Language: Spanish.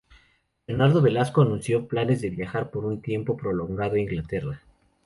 Bernardo Velasco anuncio planes de viajar por un tiempo prolongado a Inglaterra.